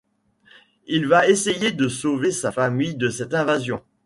Il va essayer de sauver sa famille de cette invasion.